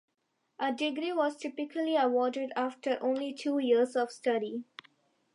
A degree was typically awarded after only two years of study.